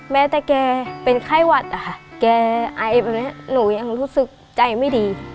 แม้แต่แกเป็นไข้หวัดอะค่ะแกไอแบบนี้หนูยังรู้สึกใจไม่ดี